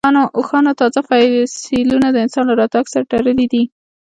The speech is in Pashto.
اوښانو تازه فسیلونه د انسان له راتګ سره تړلي دي.